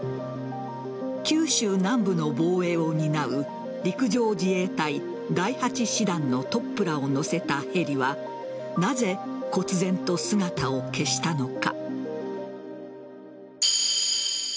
九州南部の防衛を担う陸上自衛隊第８師団のトップらを乗せたヘリはなぜ、こつぜんと姿を消したのか。